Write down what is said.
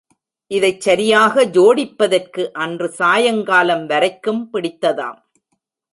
இதைச் சரியாக ஜோடிப்பதற்கு அன்று சாயங்காலம் வரைக்கும் பிடித்ததாம்.